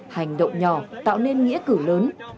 hành động nhỏ tạo nên nghĩa cử lớn